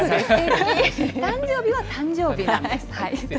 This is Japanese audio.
誕生日は誕生日なんです。